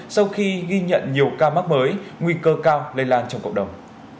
sau khi ghi nhận nhiều ca mắc mới nguy cơ cao lây lan trong cộng đồng